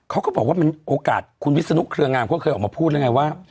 เขาก็บอกว่ามันโอกาสคุณวิศนุเครืองามเขาเคยออกมาพูดแล้วไงว่า